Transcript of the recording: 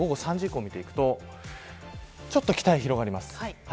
午後３時以降を見ていくとちょっと北へ広がります。